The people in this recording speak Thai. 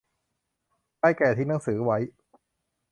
ชายแก่ทิ้งหนังสือไว้